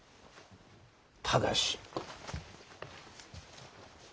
ただし。